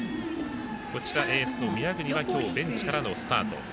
エースの宮國は今日、ベンチからのスタート。